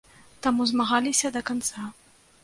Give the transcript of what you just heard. Таму змагаліся да канца.